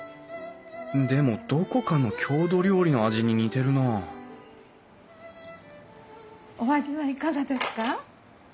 でもどこかの郷土料理の味に似てるなあお味はいかがですか？